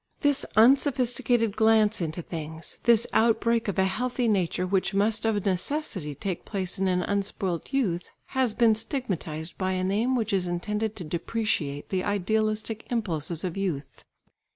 This unsophisticated glance into things, this outbreak of a healthy nature which must of necessity take place in an unspoilt youth, has been stigmatised by a name which is intended to depreciate the idealistic impulses of youth.